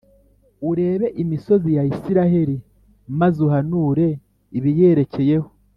urebe imisozi ya Israheli maze uhanure ibiyerekeyeho